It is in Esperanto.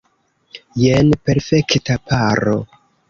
Jen perfekta paro!